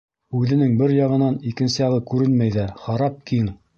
Үҙенең бер яғынан икенсе яғы күренмәй ҙә, харап киң.